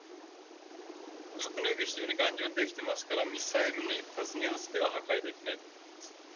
格納容器は非常に頑丈に出来てますから、ミサイルの１発、２発では破壊できないと思います。